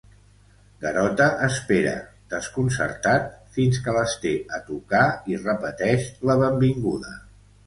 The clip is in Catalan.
Garota espera, desconcertat, fins que les té a tocar i repeteix la benvinguda.